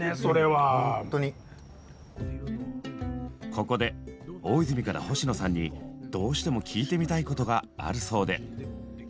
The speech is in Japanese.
ここで大泉から星野さんにどうしても聞いてみたいことがあるそうで。